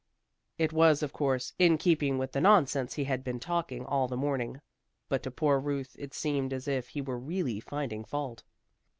It was of course, in keeping with the nonsense he had been talking all the morning, but to poor Ruth it seemed as if he were really finding fault.